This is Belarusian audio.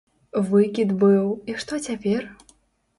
Выкід быў, і што цяпер?